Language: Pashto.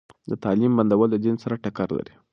د تعليم بندول د دین سره ټکر لري.